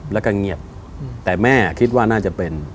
แล้วก็เงียบแต่แม่คิดว่าน่าจะเป็น